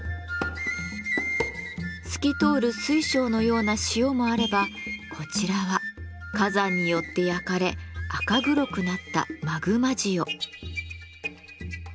透き通る水晶のような塩もあればこちらは火山によって焼かれ赤黒くなった「マグマ塩」。